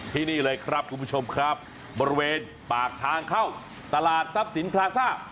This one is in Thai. ที่นี่เลยครับคุณผู้ชมครับบริเวณปากทางเข้าตลาดทรัพย์สินพลาซ่า